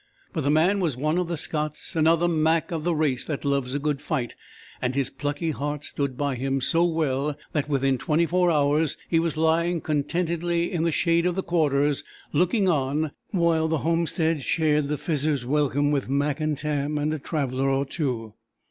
But the man was one of the Scots another Mac of the race that loves a good fight, and his plucky heart stood by him so well that within twenty four hours he was Iying contentedly in the shade of the Quarters, looking on, while the homestead shared the Fizzer's welcome with Mac and Tam and a traveller or two.